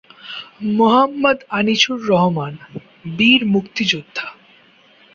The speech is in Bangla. মোহাম্মদআনিছুর রহমান, বীর মুক্তিযোদ্ধা।